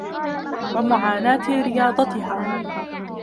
وَمُعَانَاةِ رِيَاضَتِهَا